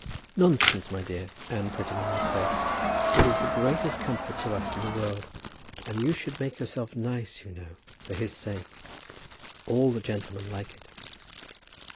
"Nonsense, my dear," Anne Prettyman had said; "it is the greatest comfort to us in the world. And you should make yourself nice, you know, for his sake. All the gentlemen like it."